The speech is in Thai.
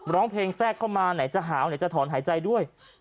ร้องเพลงแทรกเข้ามาไหนจะหาวไหนจะถอนหายใจด้วย